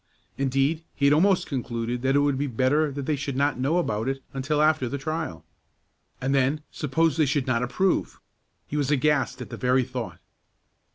Indeed, he had almost concluded that it would be better that they should not know about it until after the trial. And then suppose they should not approve! He was aghast at the very thought.